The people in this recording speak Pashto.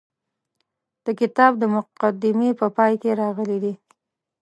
د کتاب د مقدمې په پای کې راغلي دي.